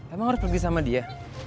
emang harus pergi sama dia